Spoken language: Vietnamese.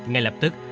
ngay lập tức